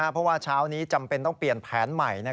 เพราะว่าเช้านี้จำเป็นต้องเปลี่ยนแผนใหม่